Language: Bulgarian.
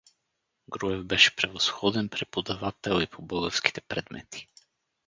Груев беше превъзходен преподавател и по българските предмети.